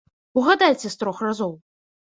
Угадайце з трох разоў.